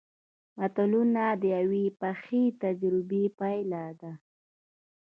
متلونه د یوې پخې تجربې پایله ده